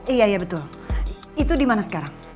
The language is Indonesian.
iya iya betul itu di mana sekarang